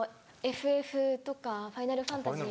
『ＦＦ』とか『ファイナルファンタジー』。